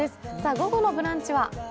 午後の「ブランチ」は？